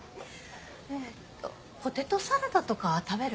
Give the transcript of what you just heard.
えっとポテトサラダとか食べる？